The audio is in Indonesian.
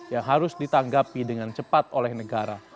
yang harus ditanggapi dengan cepat oleh negara